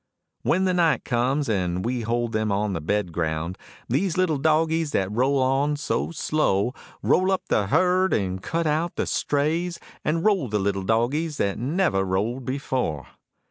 When the night comes on and we hold them on the bedground, These little dogies that roll on so slow; Roll up the herd and cut out the strays, And roll the little dogies that never rolled before.